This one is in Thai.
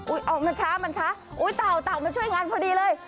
อุ๊ยออกมันช้าอุ๊ยตะวมันช่วยงานพอดีเลย